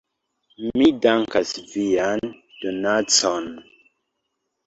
Mi dankas vian donacon.